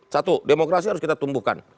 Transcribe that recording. satu demokrasi harus kita tumbuhkan